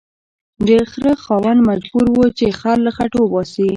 د خره خاوند مجبور و چې خر له خټو وباسي